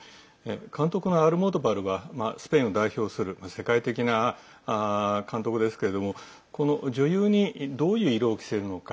監督のアルモドバルはスペインを代表する世界的な監督ですけれどもこの女優にどういう色を着せるのか。